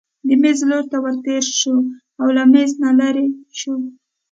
د مېز لور ته ورتېر شو او له مېز نه لیرې شو.